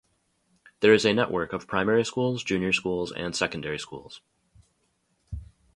There is a network of primary schools, junior schools and secondary schools.